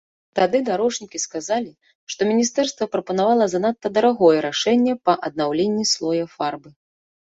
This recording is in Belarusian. Тады дарожнікі сказалі, што міністэрства прапанавала занадта дарагое рашэнне па аднаўленні слоя фарбы.